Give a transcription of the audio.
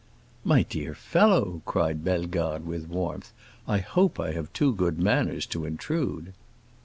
"My dear fellow," cried Bellegarde with warmth, "I hope I have too good manners to intrude."